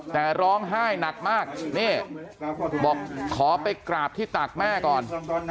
แต่ร้องไห้หนักมากนี่บอกขอไปกราบที่ตากแม่ก่อน